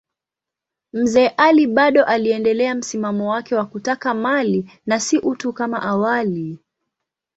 Mzee Ali bado aliendelea msimamo wake wa kutaka mali na si utu kama awali.